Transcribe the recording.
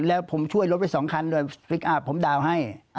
แล้วผมช่วยรถไป๒คันด้วยผมดาวให้